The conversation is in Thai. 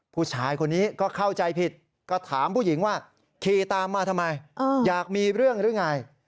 ผู้ชายคนนี้ก็เข้าใจผิดก็ถามผู้หญิงว่าขี่ตามมาทำไมอยากมีเรื่องหรือไง